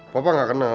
papa gak kenal